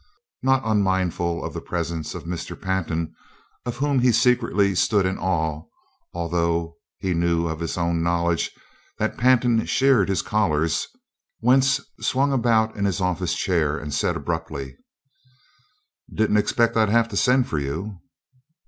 Not unmindful of the presence of Mr. Pantin, of whom he secretly stood in awe, although he knew of his own knowledge that Pantin sheared his collars, Wentz swung about in his office chair and said abruptly: "Didn't expect I'd have to send for you."